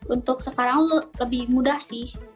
untuk sekarang lebih mudah sih